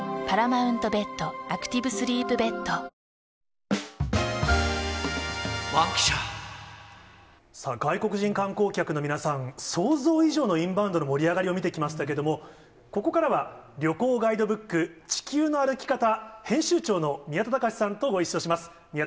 国籍もいっぱいいていいと思外国人観光客の皆さん、想像以上のインバウンドの盛り上がりを見てきましたけれども、ここからは、旅行ガイドブック、地球の歩き方編集長の宮田崇さんとご一緒します。